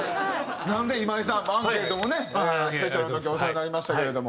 なので今井さんアンケートもねスペシャルの時お世話になりましたけれども。